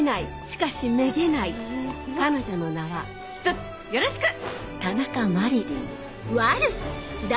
しかしメゲない彼女の名はひとつよろしく！